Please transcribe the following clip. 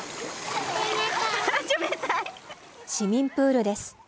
市民プールです。